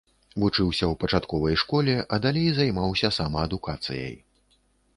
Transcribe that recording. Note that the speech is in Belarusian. Вучыўся ў пачатковай школе, а далей займаўся самаадукацыяй.